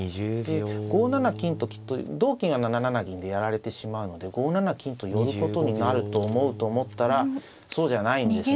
５七金ときっと同金は７七銀でやられてしまうので５七金と寄ることになると思うと思ったらそうじゃないんですね。